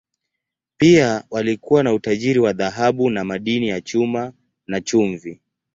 Pia walikuwa na utajiri wa dhahabu na madini ya chuma, na chumvi.